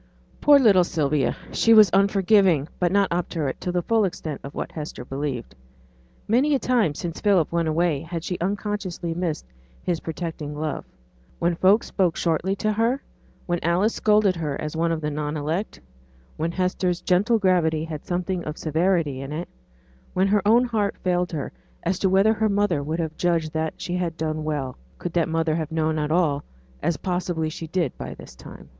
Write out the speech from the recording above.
Poor little Sylvia! She was unforgiving, but not obdurate to the full extent of what Hester believed. Many a time since Philip went away had she unconsciously missed his protecting love; when folks spoke shortly to her, when Alice scolded her as one of the non elect, when Hester's gentle gravity had something of severity in it; when her own heart failed her as to whether her mother would have judged that she had done well, could that mother have known all, as possibly she did by this time.